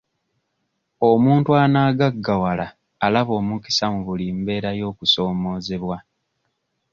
Omuntu anaagaggawala alaba omukisa mu buli mbeera y'okusoomoozebwa.